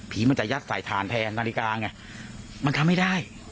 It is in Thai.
มันจะยัดใส่ฐานแทนนาฬิกาไงมันทำไม่ได้